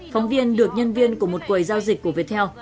phóng viên được nhân viên của một quầy giao dịch của viettel